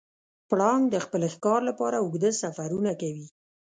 پړانګ د خپل ښکار لپاره اوږده سفرونه کوي.